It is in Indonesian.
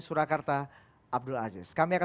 surakarta abdul aziz kami akan